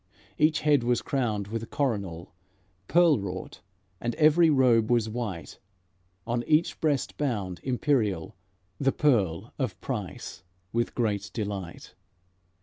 Each head was crowned with coronal, Pearl wrought, and every robe was white; On each breast bound, imperial, The Pearl of Price with great delight.